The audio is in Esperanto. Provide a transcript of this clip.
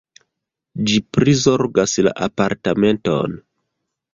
Ĝi prizorgas la apartamenton.